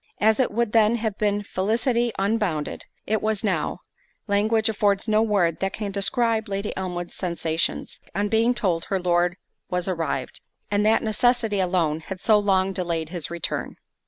As it would then have been felicity unbounded, it was now—language affords no word that can describe Lady Elmwood's sensations, on being told her Lord was arrived, and that necessity alone had so long delayed his return.